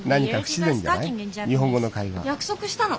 約束したの。